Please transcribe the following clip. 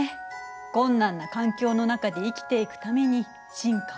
困難な環境の中で生きていくために進化を遂げる。